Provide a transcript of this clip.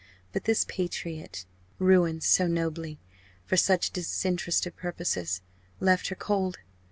But this patriot ruined so nobly for such disinterested purposes left her cold!